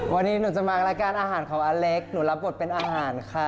วันนี้หนูจะมารายการอาหารของอเล็กหนูรับบทเป็นอาหารค่ะ